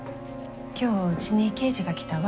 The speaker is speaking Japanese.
今日うちに刑事が来たわ。